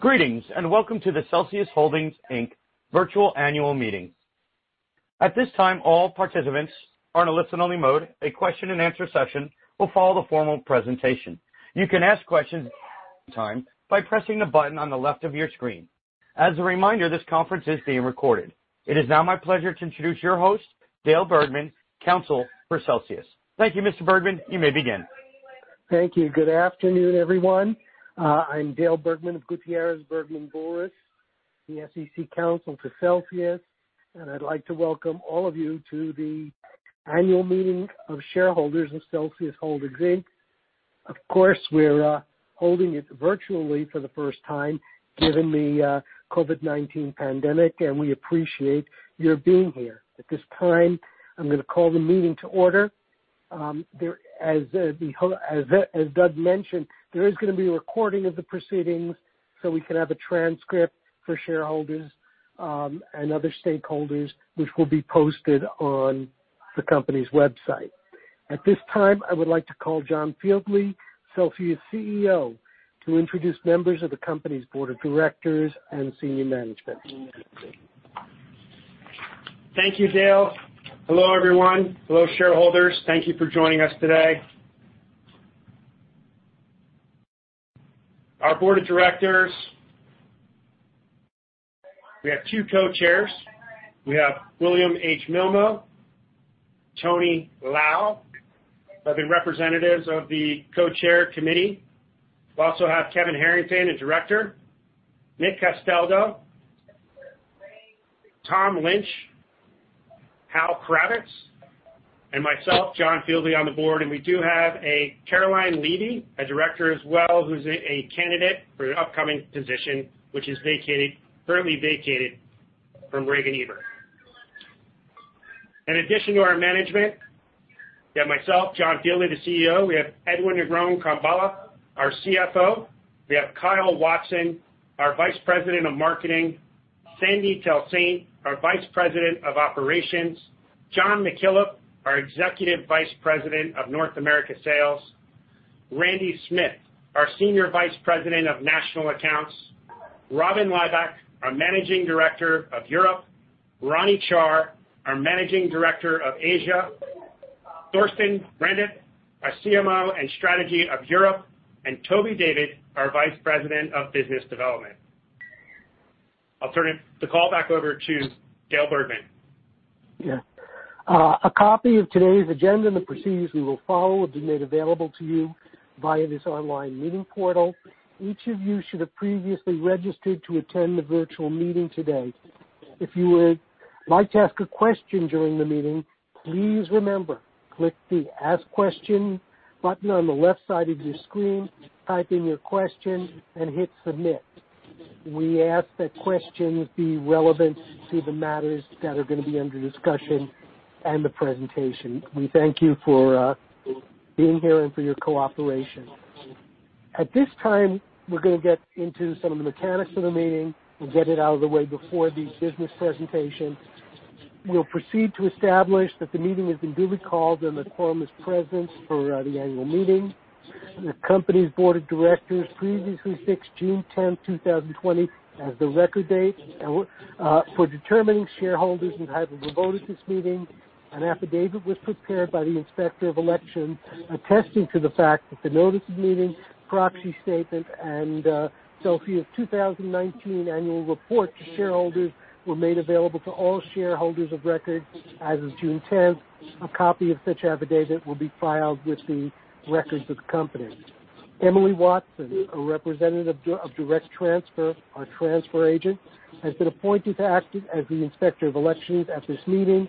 Greetings, welcome to the Celsius Holdings, Inc virtual annual meeting. At this time, all participants are in a listen-only mode. A question-and answer session will follow the formal presentation. You can ask questions at any time by pressing the button on the left of your screen. As a reminder, this conference is being recorded. It is now my pleasure to introduce your host, Dale Bergman, counsel for Celsius. Thank you, Mr. Bergman. You may begin. Thank you. Good afternoon, everyone. I'm Dale Bergman of Gutiérrez Bergman Boulris, the SEC counsel for Celsius, I'd like to welcome all of you to the annual meeting of shareholders of Celsius Holdings, Inc. Of course, we're holding it virtually for the first time given the COVID-19 pandemic, we appreciate your being here. At this time, I'm going to call the meeting to order. As Doug mentioned, there is going to be a recording of the proceedings so we can have a transcript for shareholders, other stakeholders, which will be posted on the company's website. At this time, I would like to call John Fieldly, Celsius CEO, to introduce members of the company's board of directors and senior management. Thank you, Dale. Hello, everyone. Hello, shareholders. Thank you for joining us today. Our board of directors, we have two co-chairs. We have William H. Milmoe, Tony Lau, are the representatives of the co-chair committee. We also have Kevin Harrington, a director, Nick Castaldo, Tom Lynch, Hal Kravitz, and myself, John Fieldly on the board, and we do have a Caroline Levy, a director as well, who's a candidate for the upcoming position, which is currently vacated from Regan Ebert. In addition to our management, we have myself, John Fieldly, the CEO. We have Edwin Negron-Carballo, our CFO. We have Kyle Watson, our Vice President of Marketing, Sandy Telsaint, our Vice President of Operations, Jon McKillop, our Executive Vice President of Sales, North America, Randy Smith, our Senior Vice President of National Accounts, Robin Lybeck, our Managing Director, Europe, Ronnie Char, our Managing Director, Asia, Thorsten Brandt, our CMO and strategy of Europe, and Toby David, our Vice President of Business Development. I'll turn the call back over to Dale Bergman. A copy of today's agenda and the proceedings we will follow have been made available to you via this online meeting portal. Each of you should have previously registered to attend the virtual meeting today. If you would like to ask a question during the meeting, please remember, click the Ask Question button on the left side of your screen, type in your question, and hit Submit. We ask that questions be relevant to the matters that are going to be under discussion and the presentation. We thank you for being here and for your cooperation. At this time, we're going to get into some of the mechanics of the meeting and get it out of the way before the business presentation. We'll proceed to establish that the meeting has been duly called and a quorum is present for the annual meeting. The company's board of directors previously fixed June 10th, 2020, as the record date. For determining shareholders entitled to vote at this meeting, an affidavit was prepared by the Inspector of Elections attesting to the fact that the notice of meeting, proxy statement, and Celsius 2019 annual report to shareholders were made available to all shareholders of records as of June 10th. A copy of such affidavit will be filed with the records of the company. Emily Watson, a representative of Direct Transfer, our transfer agent, has been appointed to act as the Inspector of Elections at this meeting.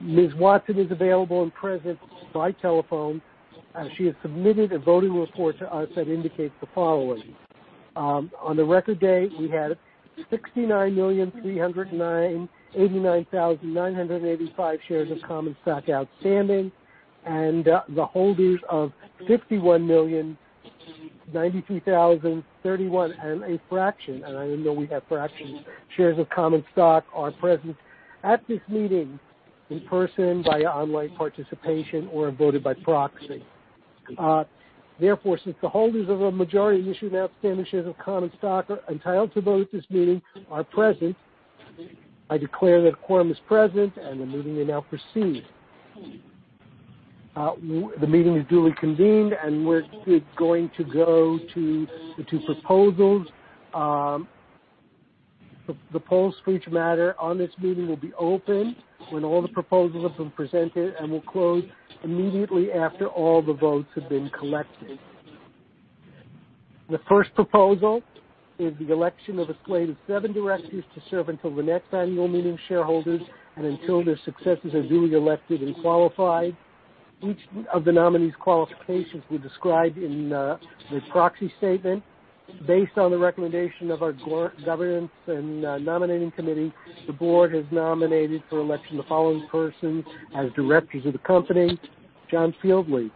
Ms. Watson is available and present by telephone. She has submitted a voting report to us that indicates the following. On the record date, we had 69,389,985 shares of common stock outstanding, and the holders of 51,093,031 and a fraction, and I didn't know we had fractions, shares of common stock are present at this meeting in person, via online participation or voted by proxy. Therefore, since the holders of a majority of the issued outstanding shares of common stock are entitled to vote at this meeting are present, I declare that a quorum is present and the meeting may now proceed. The meeting is duly convened, and we're going to go to the two proposals. The polls for each matter on this meeting will be open when all the proposals have been presented and will close immediately after all the votes have been collected. The first proposal is the election of a slate of seven directors to serve until the next annual meeting of shareholders and until their successors are duly elected and qualified. Each of the nominees' qualifications we describe in the proxy statement. Based on the recommendation of our governance and nominating committee, the board has nominated for election the following persons as directors of the company. John Fieldly,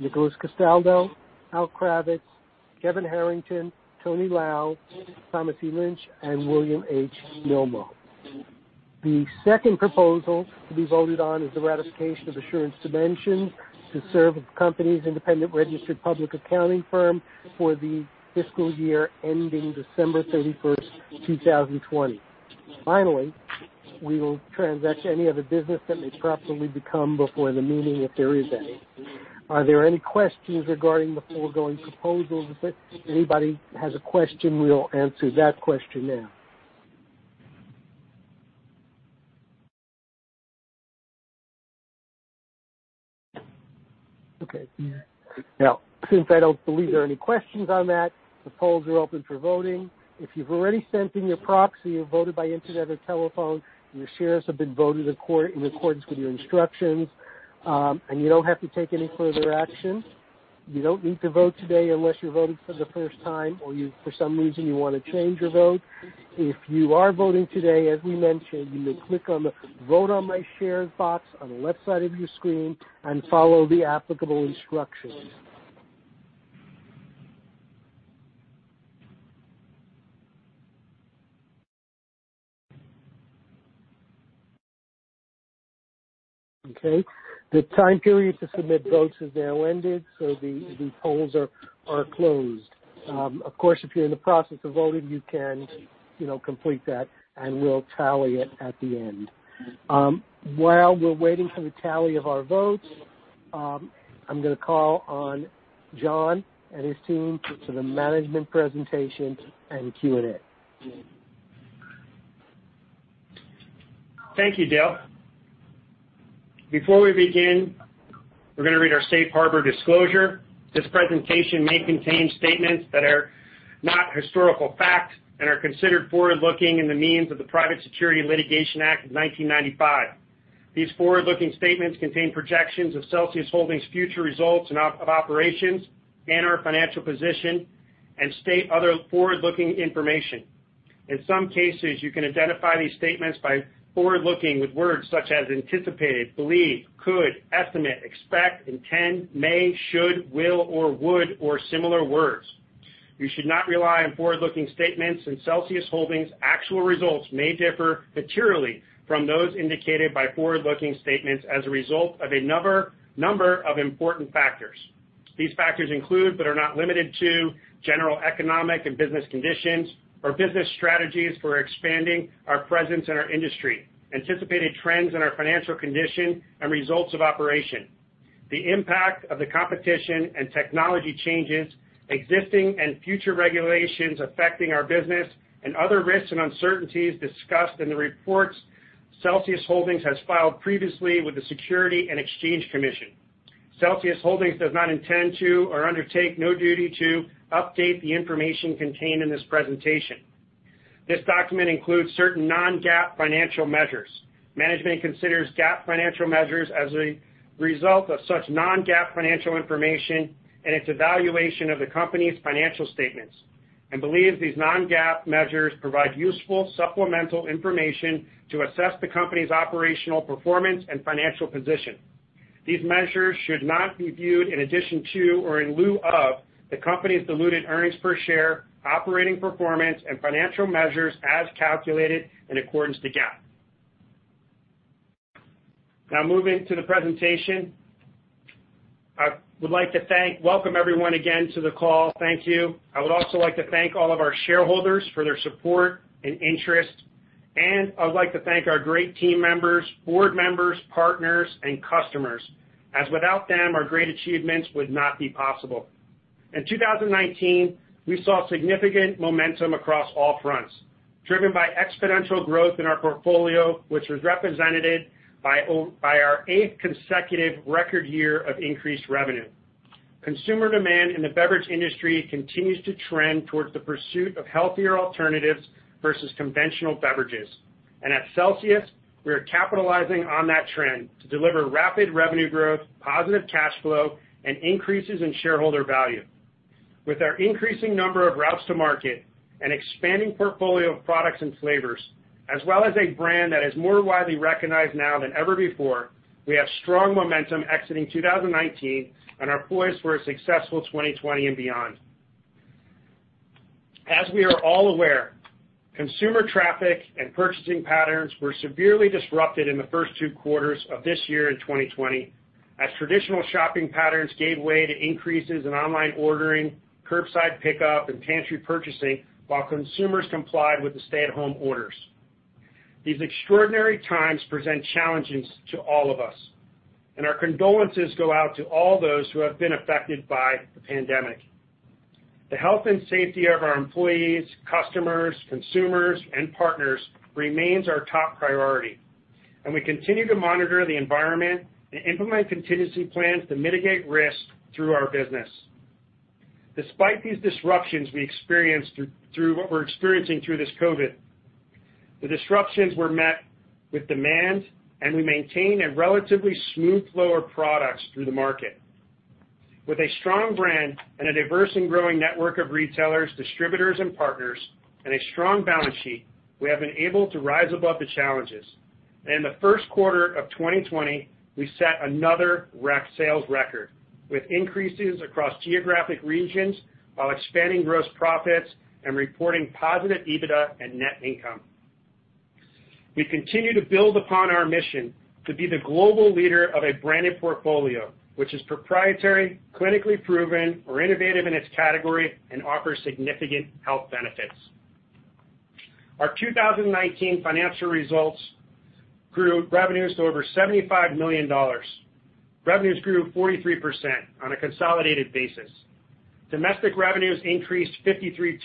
Nicholas Castaldo, Hal Kravitz, Kevin Harrington, Tony Lau, Thomas E. Lynch, and William H. Milmoe. The second proposal to be voted on is the ratification of Assurance Dimensions to serve the company's independent registered public accounting firm for the fiscal year ending December 31st, 2020. Finally, we will transact any other business that may properly become before the meeting, if there is any. Are there any questions regarding the foregoing proposals? If anybody has a question, we'll answer that question now. Okay. Now, since I don't believe there are any questions on that, the polls are open for voting. If you've already sent in your proxy or voted by Internet or telephone, your shares have been voted in accordance with your instructions, and you don't have to take any further action. You don't need to vote today unless you're voting for the first time or you, for some reason, want to change your vote. If you are voting today, as we mentioned, you may click on the Vote on My Shares box on the left side of your screen and follow the applicable instructions. Okay. The time period to submit votes has now ended, so the polls are closed. Of course, if you're in the process of voting, you can complete that, and we'll tally it at the end. While we're waiting for the tally of our votes, I'm going to call on John and his team to the management presentation and Q&A. Thank you, Dale. Before we begin, we're going to read our safe harbor disclosure. This presentation may contain statements that are not historical facts and are considered forward-looking in the means of the Private Securities Litigation Reform Act of 1995. These forward-looking statements contain projections of Celsius Holdings' future results of operations and/or financial position and state other forward-looking information. In some cases, you can identify these statements by forward-looking with words such as anticipated, believe, could, estimate, expect, intend, may, should, will, or would, or similar words. You should not rely on forward-looking statements and Celsius Holdings' actual results may differ materially from those indicated by forward-looking statements as a result of a number of important factors. These factors include, but are not limited to, general economic and business conditions or business strategies for expanding our presence in our industry, anticipated trends in our financial condition, and results of operation, the impact of the competition and technology changes, existing and future regulations affecting our business, and other risks and uncertainties discussed in the reports Celsius Holdings has filed previously with the Securities and Exchange Commission. Celsius Holdings does not intend to or undertake any duty to update the information contained in this presentation. This document includes certain non-GAAP financial measures. Management considers GAAP financial measures as a result of such non-GAAP financial information and its evaluation of the company's financial statements and believes these non-GAAP measures provide useful supplemental information to assess the company's operational performance and financial position. These measures should not be viewed in addition to or in lieu of the company's diluted earnings per share, operating performance, and financial measures as calculated in accordance to GAAP. Now moving to the presentation. I would like to welcome everyone again to the call. Thank you. I would also like to thank all of our shareholders for their support and interest, and I would like to thank our great team members, board members, partners, and customers, as without them, our great achievements would not be possible. In 2019, we saw significant momentum across all fronts, driven by exponential growth in our portfolio, which was represented by our eighth consecutive record year of increased revenue. Consumer demand in the beverage industry continues to trend towards the pursuit of healthier alternatives versus conventional beverages. At Celsius, we are capitalizing on that trend to deliver rapid revenue growth, positive cash flow, and increases in shareholder value. With our increasing number of routes to market and expanding portfolio of products and flavors, as well as a brand that is more widely recognized now than ever before, we have strong momentum exiting 2019 and are poised for a successful 2020 and beyond. As we are all aware, consumer traffic and purchasing patterns were severely disrupted in the first two quarters of this year in 2020, as traditional shopping patterns gave way to increases in online ordering, curbside pickup, and pantry purchasing while consumers complied with the stay-at-home orders. These extraordinary times present challenges to all of us, and our condolences go out to all those who have been affected by the pandemic. The health and safety of our employees, customers, consumers, and partners remains our top priority. We continue to monitor the environment and implement contingency plans to mitigate risks through our business. Despite these disruptions we're experiencing through this COVID-19, the disruptions were met with demand, and we maintained a relatively smooth flow of products through the market. With a strong brand and a diverse and growing network of retailers, distributors, and partners, and a strong balance sheet, we have been able to rise above the challenges. In the first quarter of 2020, we set another sales record, with increases across geographic regions while expanding gross profits and reporting positive EBITDA and net income. We continue to build upon our mission to be the global leader of a branded portfolio, which is proprietary, clinically proven or innovative in its category, and offers significant health benefits. Our 2019 financial results grew revenues to over $75 million. Revenues grew 43% on a consolidated basis. Domestic revenues increased 53%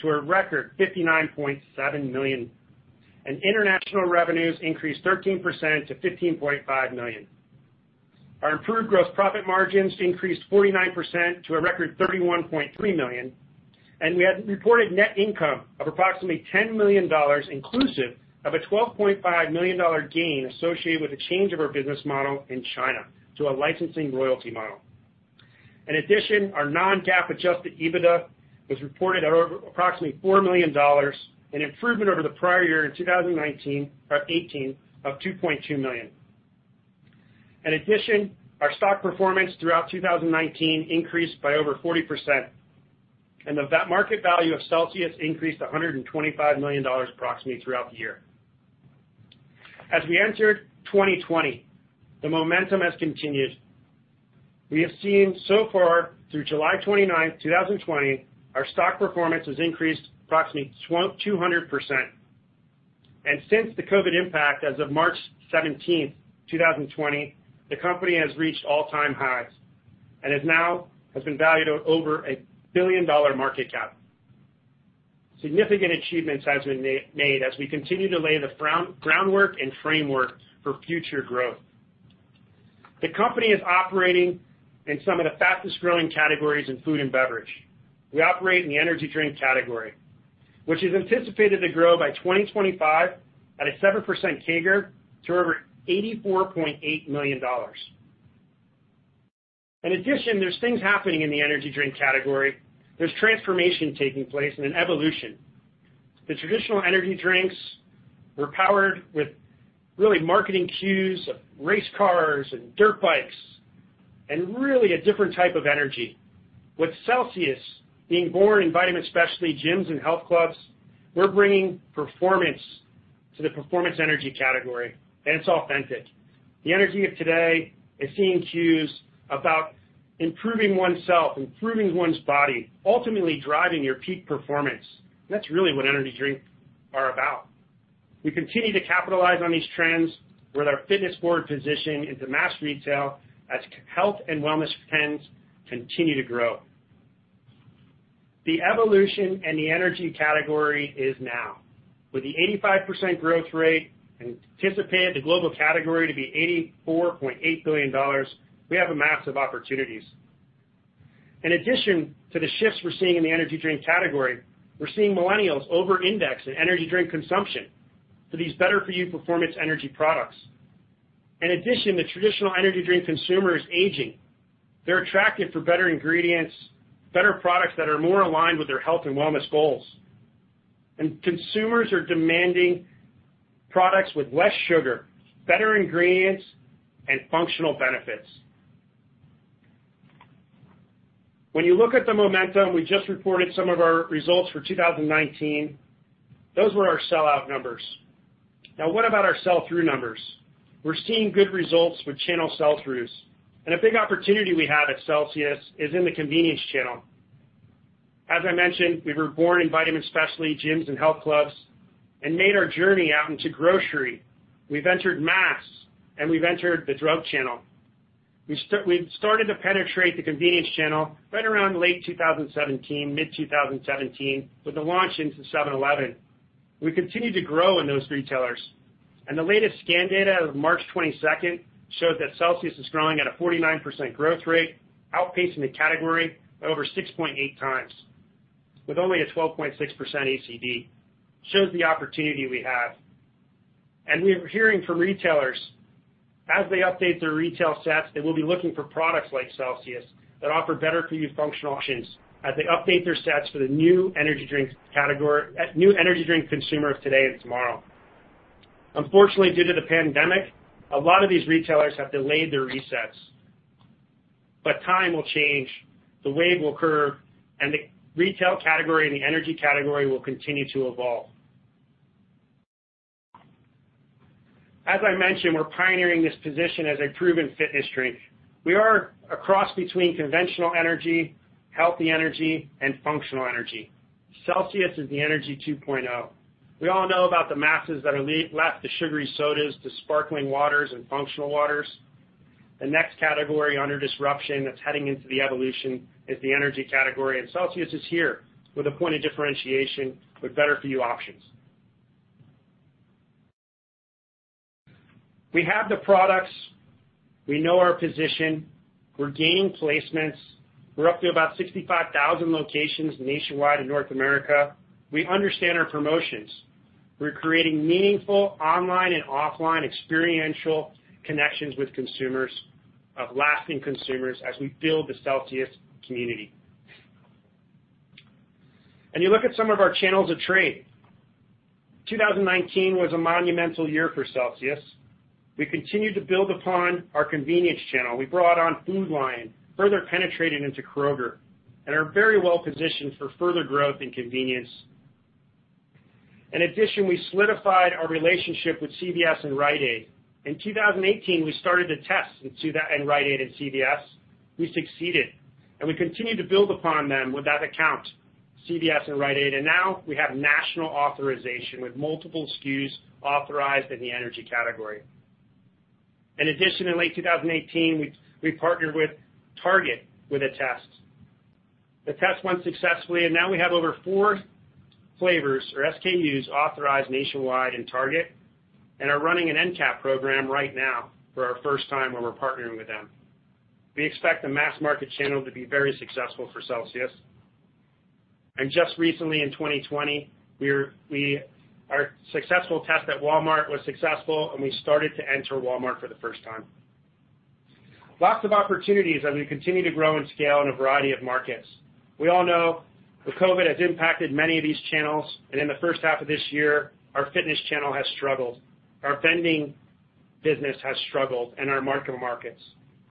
to a record $59.7 million, and international revenues increased 13% to $15.5 million. Our improved gross profit margins increased 49% to a record $31.3 million, and we had reported net income of approximately $10 million, inclusive of a $12.5 million gain associated with the change of our business model in China to a licensing royalty model. In addition, our non-GAAP adjusted EBITDA was reported at approximately $4 million, an improvement over the prior year in 2019, or 2018, of $2.2 million. In addition, our stock performance throughout 2019 increased by over 40%, and the market value of Celsius increased to $125 million approximately throughout the year. As we entered 2020, the momentum has continued. We have seen so far through July 29th, 2020, our stock performance has increased approximately 200%. Since the COVID-19 impact as of March 17th, 2020, the company has reached all-time highs and now has been valued at over a billion-dollar market cap. Significant achievements has been made as we continue to lay the groundwork and framework for future growth. The company is operating in some of the fastest-growing categories in food and beverage. We operate in the energy drink category, which is anticipated to grow by 2025 at a 7% CAGR to over $84.8 million. In addition, there's things happening in the energy drink category. There's transformation taking place and an evolution. The traditional energy drinks were powered with really marketing cues of race cars and dirt bikes, and really a different type of energy. With Celsius being born in vitamin specialty gyms and health clubs, we're bringing performance to the performance energy category, it's authentic. The energy of today is seeing cues about improving oneself, improving one's body, ultimately driving your peak performance. That's really what energy drinks are about. We continue to capitalize on these trends with our fitness forward position into mass retail as health and wellness trends continue to grow. The evolution in the energy category is now. With the 85% growth rate and anticipate the global category to be $84.8 billion, we have a mass of opportunities. In addition to the shifts we're seeing in the energy drink category, we're seeing millennials over-index in energy drink consumption for these better-for-you performance energy products. In addition, the traditional energy drink consumer is aging. They're attracted for better ingredients, better products that are more aligned with their health and wellness goals. Consumers are demanding products with less sugar, better ingredients, and functional benefits. When you look at the momentum, we just reported some of our results for 2019. Those were our sell-out numbers. Now, what about our sell-through numbers? We're seeing good results with channel sell-throughs, and a big opportunity we have at Celsius is in the convenience channel. As I mentioned, we were born in vitamin specialty gyms and health clubs and made our journey out into grocery. We've entered mass, and we've entered the drug channel. We started to penetrate the convenience channel right around late 2017, mid 2017 with the launch into 7-Eleven. We continued to grow in those retailers, and the latest scan data as of March 22nd showed that Celsius is growing at a 49% growth rate, outpacing the category by over 6.8 times with only a 12.6% ACV. Shows the opportunity we have. We are hearing from retailers as they update their retail sets, they will be looking for products like Celsius that offer better-for-you functional options as they update their sets for the new energy drink consumers today and tomorrow. Unfortunately, due to the pandemic, a lot of these retailers have delayed their resets. Time will change, the wave will curve, and the retail category and the energy category will continue to evolve. As I mentioned, we're pioneering this position as a proven fitness drink. We are a cross between conventional energy, healthy energy, and functional energy. Celsius is the energy 2.0. We all know about the masses that are left to sugary sodas, to sparkling waters and functional waters. The next category under disruption that's heading into the evolution is the energy category, and Celsius is here with a point of differentiation with better-for-you options. We have the products. We know our position. We're gaining placements. We're up to about 65,000 locations nationwide in North America. We understand our promotions. We're creating meaningful online and offline experiential connections with consumers, of lasting consumers as we build the Celsius community. You look at some of our channels of trade. 2019 was a monumental year for Celsius. We continued to build upon our convenience channel. We brought on Food Lion, further penetrated into Kroger, and are very well positioned for further growth and convenience. In addition, we solidified our relationship with CVS and Rite Aid. In 2018, we started to test in Rite Aid and CVS. We succeeded, and we continued to build upon them with that account, CVS and Rite Aid, and now we have national authorization with multiple SKUs authorized in the energy category. In addition, in late 2018, we partnered with Target with a test. The test went successfully. Now we have over four flavors or SKUs authorized nationwide in Target and are running an end cap program right now for our first time when we're partnering with them. We expect the mass market channel to be very successful for Celsius. Just recently in 2020, our successful test at Walmart was successful, and we started to enter Walmart for the first time. Lots of opportunities as we continue to grow and scale in a variety of markets. We all know that COVID has impacted many of these channels. In the first half of this year, our fitness channel has struggled. Our vending business has struggled and our markets.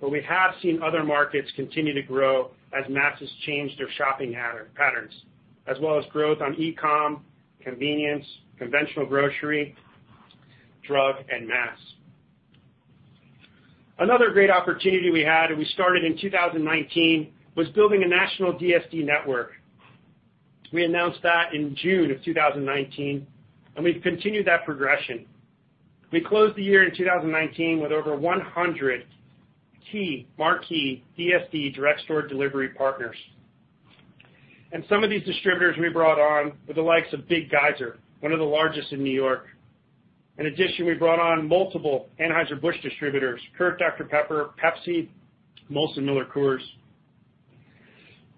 We have seen other markets continue to grow as mass has changed their shopping patterns, as well as growth on e-com, convenience, conventional grocery, drug, and mass. Another great opportunity we had, and we started in 2019, was building a national DSD network. We announced that in June of 2019, and we've continued that progression. We closed the year in 2019 with over 100 key marquee DSD direct store delivery partners. Some of these distributors we brought on were the likes of Big Geyser, one of the largest in New York. In addition, we brought on multiple Anheuser-Busch distributors, current Dr Pepper, Pepsi, Molson Coors.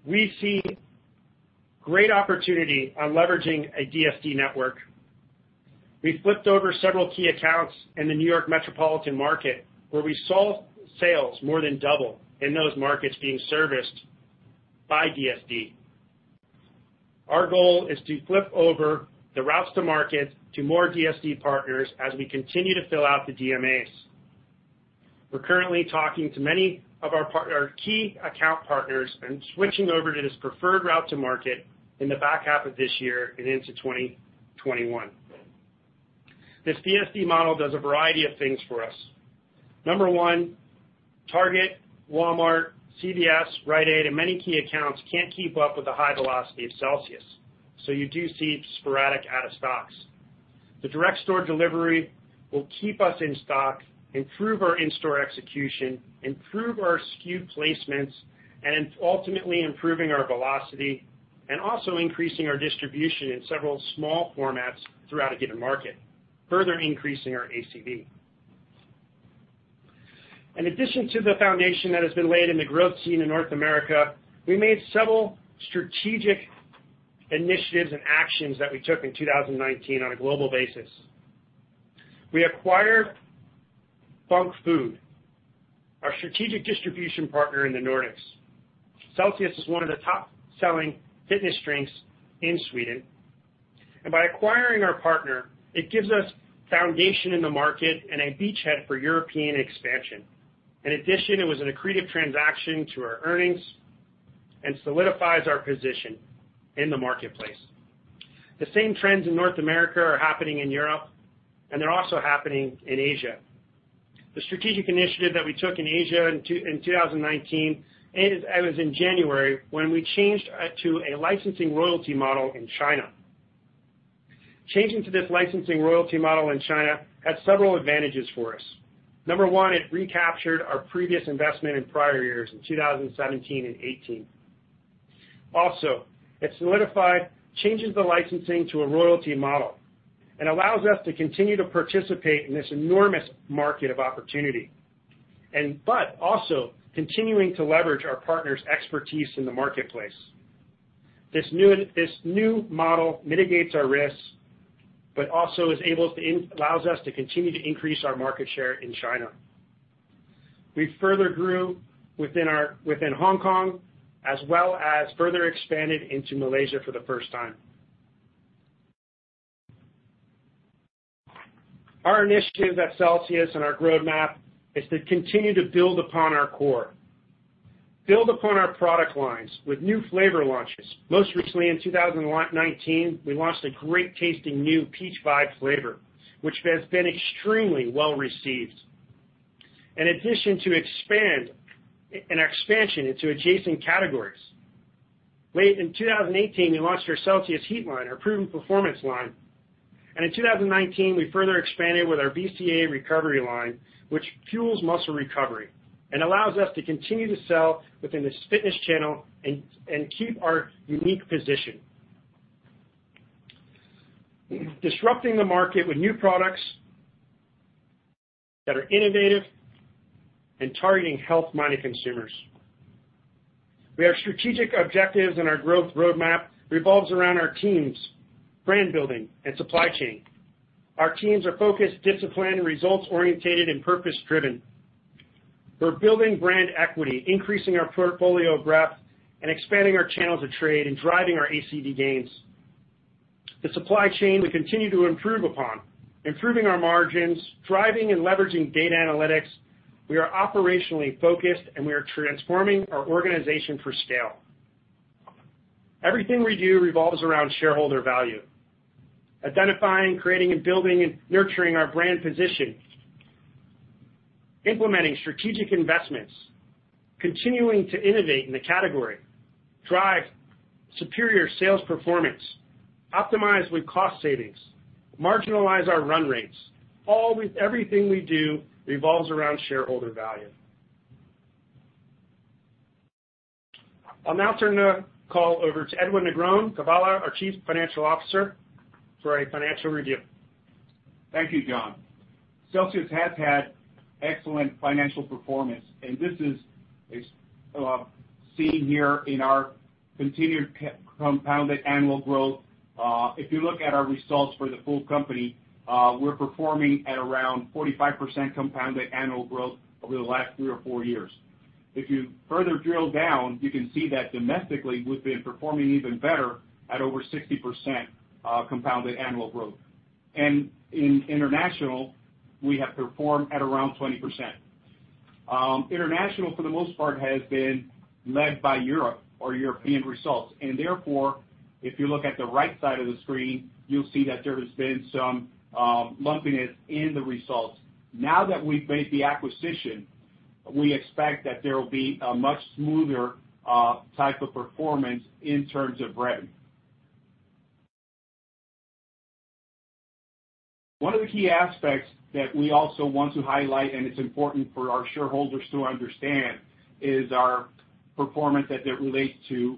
We see great opportunity on leveraging a DSD network. We flipped over several key accounts in the New York metropolitan market where we saw sales more than double in those markets being serviced by DSD. Our goal is to flip over the routes to market to more DSD partners as we continue to fill out the DMAs. We're currently talking to many of our key account partners and switching over to this preferred route to market in the back half of this year and into 2021. This DSD model does a variety of things for us. Number one, Target, Walmart, CVS, Rite Aid, and many key accounts can't keep up with the high velocity of Celsius. You do see sporadic out of stocks. The direct store delivery will keep us in stock, improve our in-store execution, improve our SKU placements, and ultimately improving our velocity, and also increasing our distribution in several small formats throughout a given market, further increasing our ACV. In addition to the foundation that has been laid in the growth seen in North America, we made several strategic initiatives and actions that we took in 2019 on a global basis. We acquired Func Food, our strategic distribution partner in the Nordics. Celsius is one of the top selling fitness drinks in Sweden. By acquiring our partner, it gives us foundation in the market and a beachhead for European expansion. In addition, it was an accretive transaction to our earnings and solidifies our position in the marketplace. The same trends in North America are happening in Europe, and they're also happening in Asia. The strategic initiative that we took in Asia in 2019, it was in January when we changed to a licensing royalty model in China. Changing to this licensing royalty model in China had several advantages for us. Number one, it recaptured our previous investment in prior years, in 2017 and 2018. It solidified changes the licensing to a royalty model and allows us to continue to participate in this enormous market of opportunity, but also continuing to leverage our partner's expertise in the marketplace. This new model mitigates our risks, but also allows us to continue to increase our market share in China. We further grew within Hong Kong, as well as further expanded into Malaysia for the first time. Our initiative at Celsius and our roadmap is to continue to build upon our core. Build upon our product lines with new flavor launches. Most recently in 2019, we launched a great tasting new Peach Vibe flavor, which has been extremely well received. In addition to an expansion into adjacent categories. Late in 2018, we launched our CELSIUS HEAT line, our proven performance line. In 2019, we further expanded with our BCAA recovery line, which fuels muscle recovery and allows us to continue to sell within this fitness channel and keep our unique position. Disrupting the market with new products that are innovative and targeting health-minded consumers. We have strategic objectives. Our growth roadmap revolves around our teams, brand building, and supply chain. Our teams are focused, disciplined, results-oriented, and purpose-driven. We're building brand equity, increasing our portfolio breadth, and expanding our channels of trade and driving our ACV gains. The supply chain we continue to improve upon, improving our margins, driving and leveraging data analytics. We are operationally focused, and we are transforming our organization for scale. Everything we do revolves around shareholder value. Identifying, creating, and building and nurturing our brand position, implementing strategic investments, continuing to innovate in the category, drive superior sales performance, optimize with cost savings, marginalize our run rates. Everything we do revolves around shareholder value. I'll now turn the call over to Edwin Negron-Carballo, our Chief Financial Officer, for a financial review. Thank you, John. Celsius has had excellent financial performance, and this is seen here in our continued compounded annual growth. If you look at our results for the full company, we're performing at around 45% compounded annual growth over the last three or four years. If you further drill down, you can see that domestically, we've been performing even better at over 60% compounded annual growth. In international, we have performed at around 20%. International, for the most part, has been led by Europe or European results. Therefore, if you look at the right side of the screen, you'll see that there has been some lumpiness in the results. Now that we've made the acquisition, we expect that there will be a much smoother type of performance in terms of revenue. One of the key aspects that we also want to highlight, and it's important for our shareholders to understand, is our performance as it relates to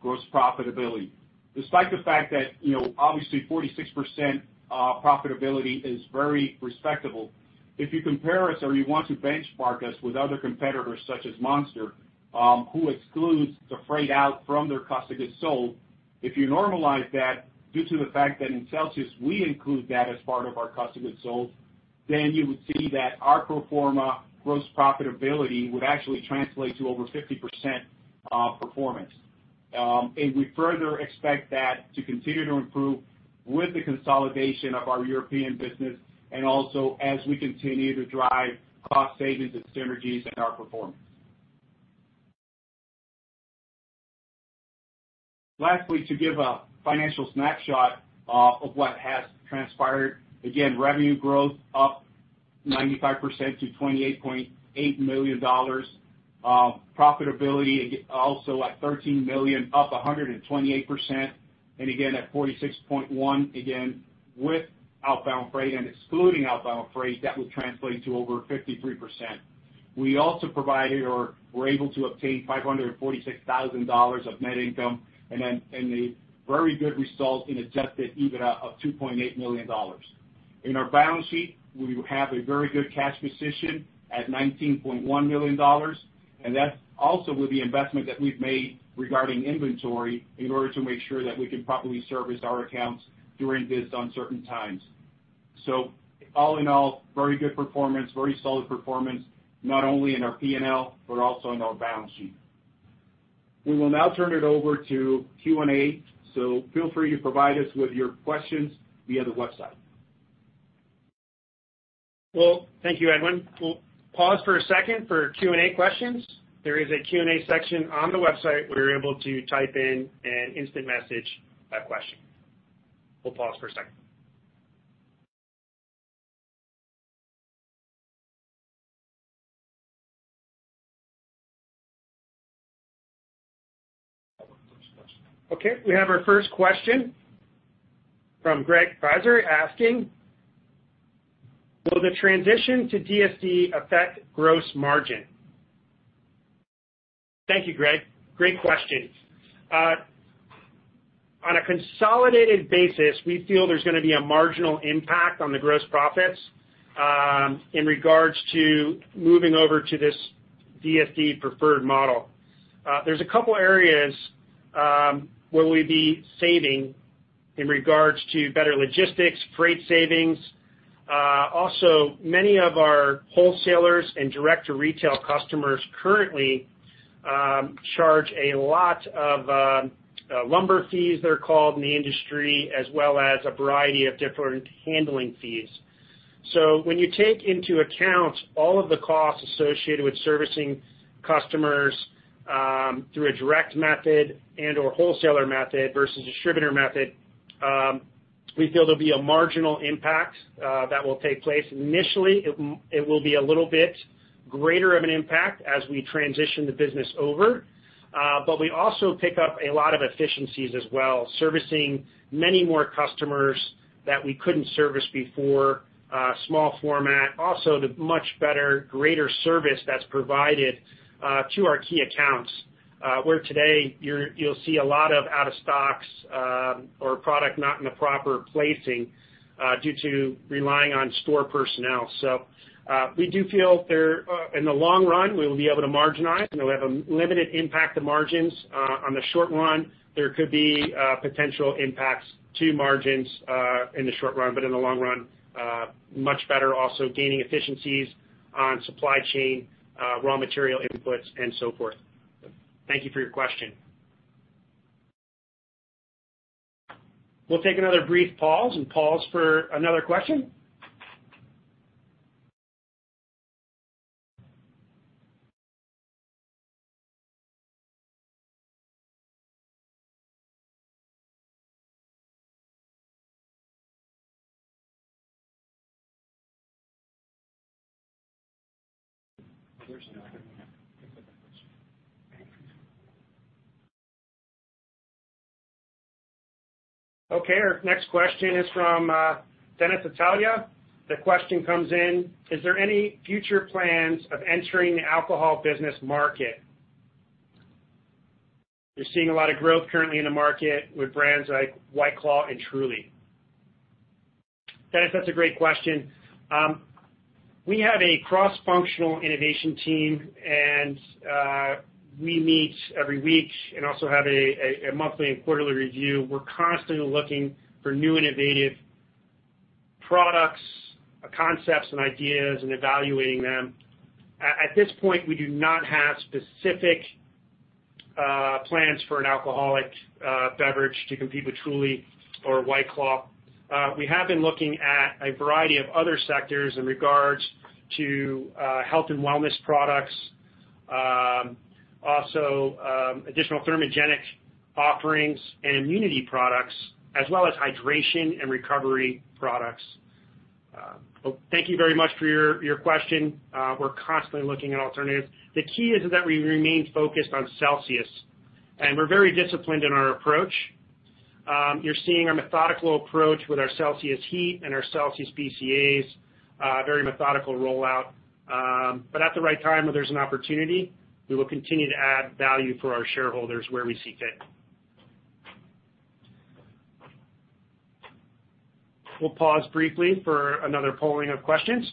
gross profitability. Despite the fact that obviously 46% profitability is very respectable, if you compare us or you want to benchmark us with other competitors such as Monster, who excludes the freight out from their cost of goods sold, if you normalize that due to the fact that in Celsius, we include that as part of our cost of goods sold, then you would see that our pro forma gross profitability would actually translate to over 50% performance. We further expect that to continue to improve with the consolidation of our European business and also as we continue to drive cost savings and synergies in our performance. Lastly, to give a financial snapshot of what has transpired. Again, revenue growth up 95% to $28.8 million. Profitability also at $13 million, up 128%, again at 46.1%, again, with outbound freight and excluding outbound freight, that would translate to over 53%. We also provided or were able to obtain $546,000 of net income and a very good result in adjusted EBITDA of $2.8 million. In our balance sheet, we have a very good cash position at $19.1 million, that also with the investment that we've made regarding inventory in order to make sure that we can properly service our accounts during these uncertain times. All in all, very good performance, very solid performance, not only in our P&L, but also in our balance sheet. We will now turn it over to Q&A, feel free to provide us with your questions via the website. Well, thank you, Edwin. We'll pause for a second for Q&A questions. There is a Q&A section on the website where you're able to type in an instant message or question. We'll pause for a second. Okay, we have our first question from Greg Fizer asking, "Will the transition to DSD affect gross margin?" Thank you, Greg. Great question. On a consolidated basis, we feel there's going to be a marginal impact on the gross profits in regards to moving over to this DSD preferred model. There's a couple areas where we'll be saving in regards to better logistics, freight savings. Also, many of our wholesalers and direct to retail customers currently charge a lot of lumper fees, they're called in the industry, as well as a variety of different handling fees. When you take into account all of the costs associated with servicing customers through a direct method and/or wholesaler method versus distributor method, we feel there'll be a marginal impact that will take place. Initially, it will be a little bit greater of an impact as we transition the business over. We also pick up a lot of efficiencies as well, servicing many more customers that we couldn't service before, small format, also the much better, greater service that's provided to our key accounts where today you'll see a lot of out of stocks or product not in the proper placing due to relying on store personnel. We do feel in the long run, we will be able to marginalize and it will have a limited impact to margins. On the short run, there could be potential impacts to margins in the short run, but in the long run much better also gaining efficiencies on supply chain, raw material inputs, and so forth. Thank you for your question. We'll take another brief pause and pause for another question. Okay, our next question is from Dennis Italia. The question comes in: Is there any future plans of entering the alcohol business market? You're seeing a lot of growth currently in the market with brands like White Claw and Truly. Dennis, that's a great question. We have a cross-functional innovation team, and we meet every week and also have a monthly and quarterly review. We're constantly looking for new innovative products, concepts, and ideas, and evaluating them. At this point, we do not have specific plans for an alcoholic beverage to compete with Truly or White Claw. We have been looking at a variety of other sectors in regards to health and wellness products. Additional thermogenic offerings and immunity products, as well as hydration and recovery products. Thank you very much for your question. We're constantly looking at alternatives. The key is that we remain focused on Celsius, and we're very disciplined in our approach. You're seeing our methodical approach with our CELSIUS HEAT and our Celsius BCAA, very methodical rollout. At the right time, where there's an opportunity, we will continue to add value for our shareholders where we see fit. We'll pause briefly for another polling of questions.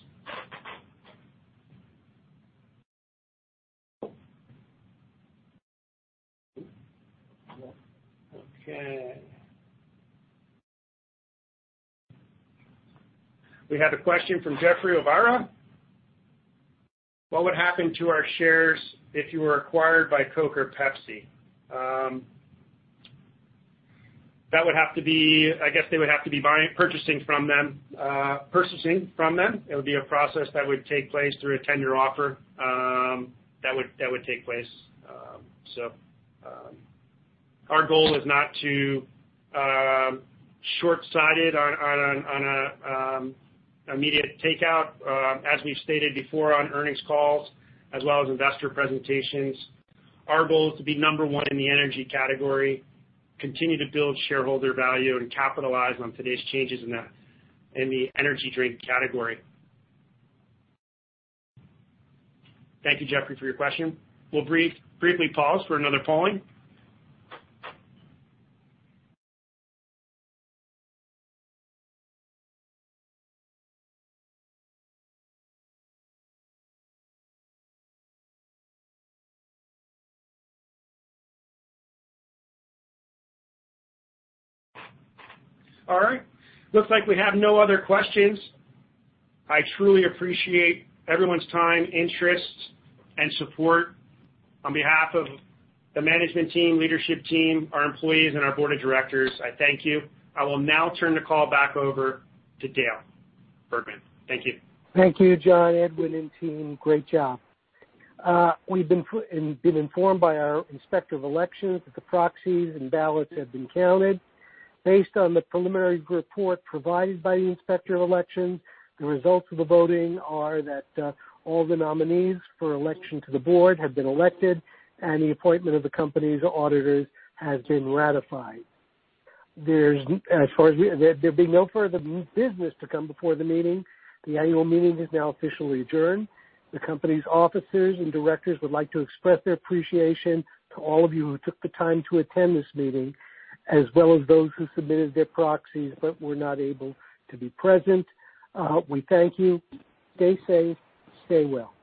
We have a question from Jeffrey Ovara. What would happen to our shares if you were acquired by Coke or Pepsi? I guess they would have to be purchasing from them. It would be a process that would take place through a tender offer. That would take place. Our goal is not too shortsighted on an immediate takeout. As we've stated before on earnings calls, as well as investor presentations, our goal is to be number one in the energy category, continue to build shareholder value, and capitalize on today's changes in the energy drink category. Thank you, Jeffrey, for your question. We'll briefly pause for another polling. All right. Looks like we have no other questions. I truly appreciate everyone's time, interest, and support. On behalf of the management team, leadership team, our employees, and our board of directors, I thank you. I will now turn the call back over to Dale Bergman. Thank you. Thank you, John, Edwin, and team. Great job. We've been informed by our Inspector of Elections that the proxies and ballots have been counted. Based on the preliminary report provided by the Inspector of Elections, the results of the voting are that all the nominees for election to the board have been elected, and the appointment of the company's auditors has been ratified. There being no further business to come before the meeting, the annual meeting is now officially adjourned. The company's officers and directors would like to express their appreciation to all of you who took the time to attend this meeting, as well as those who submitted their proxies but were not able to be present. We thank you. Stay safe. Stay well.